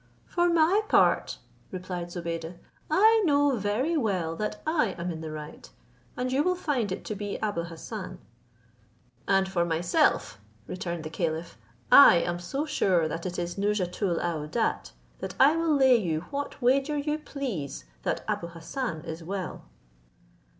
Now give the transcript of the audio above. "For my part," replied Zobeide, "I know very well that I am in the right, and you will find it to be Abou Hassan." "And for myself," returned the caliph, "I am so sure that it is Nouzhatoul aouadat, that I will lay you what wager you please that Abou Hassan is well."